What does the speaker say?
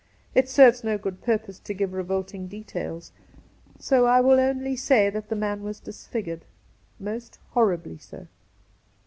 It serves no good purpose to give; revolting de tails, so I will only say that the man was dis figured — most horribly so.